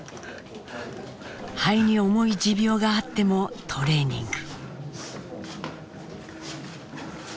肺に重い持病があってもトレーニング。